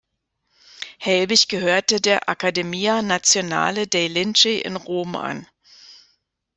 Helbig gehörte der Accademia Nazionale dei Lincei in Rom an.